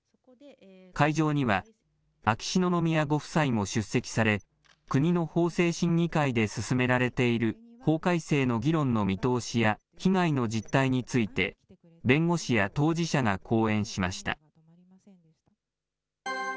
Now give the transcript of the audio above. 会場には、秋篠宮ご夫妻も出席され、国の法制審議会で進められている法改正の議論の見通しや被害の実態について、弁護士や当事者が講演しました。